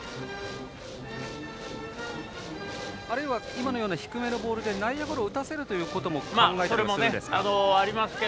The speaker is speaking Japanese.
今のような低めのボールで内野ゴロを打たせるということも考えたりしますか？